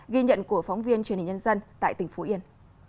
ghi nhận của phóng viên truyền hình nhân dân tại tỉnh phú yên